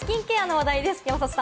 続いてはスキンケアの話題です。